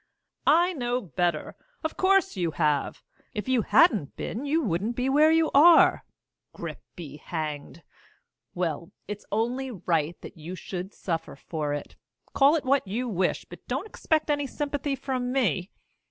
"I know better! Of course you have! If you hadn't been you wouldn't be where you are. Grip be hanged! Well, it's only right that you should suffer for it. Call it what you wish, but don't expect any sympathy from me.